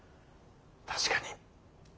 確かに。